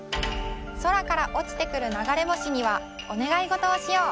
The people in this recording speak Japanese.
そらからおちてくるながれ星にはおねがいごとをしよう。